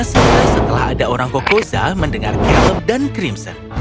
setelah ada orang kokosa mendengar caleb dan crimson